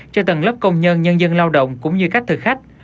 cho tầng lớp công nhân nhân dân lao động cũng như các thực khách